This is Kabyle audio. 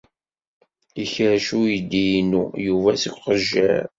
Ikerrec uydi-inu Yuba seg uqejjir.